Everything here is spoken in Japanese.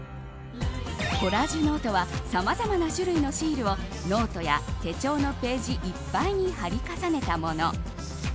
コラージュノートはさまざまな種類のシールをノートや手帳のページいっぱいに貼り重ねたもの。